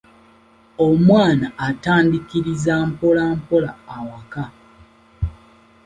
Omwana atandiikiriza mpolampola awaka.